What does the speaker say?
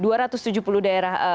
dua ratus tujuh puluh daerah